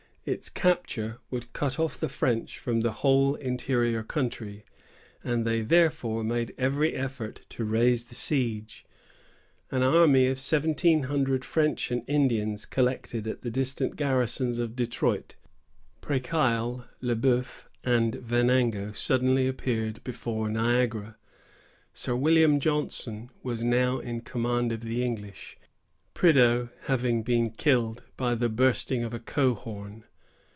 Its capture would cut off the French from the whole interior country, and they therefore made every effort to raise the siege. An army of seventeen hundred French and Indians, collected at the distant garrisons of Detroit, Presqu' Isle, Le Bœuf, and Venango, suddenly appeared before Niagara. Sir William Johnson was now in command of the English, Prideaux having been killed by the bursting of a cohorn.